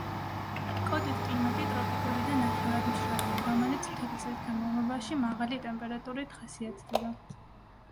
კოტის კლიმატი ტროპიკული და ნახევრადმშრალია, რომელიც მთელი წლის განმავლობაში მაღალი ტემპერატურით ხასიათდება.